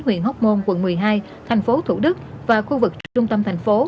huyện hóc môn quận một mươi hai tp thủ đức và khu vực trung tâm tp